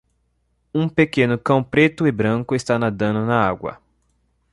Um pequeno cão preto e branco está nadando na água.